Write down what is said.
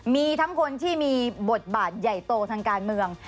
มีทั้งคนที่มีบทบาทใหญ่โตทางการเมือง